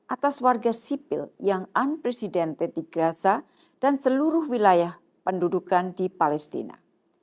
atas warga sipil yang unprecedented di gaza dan seluruh wilayah pendudukan di palestina